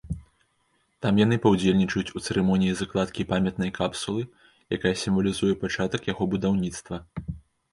Там яны паўдзельнічаюць у цырымоніі закладкі памятнай капсулы, якая сімвалізуе пачатак яго будаўніцтва.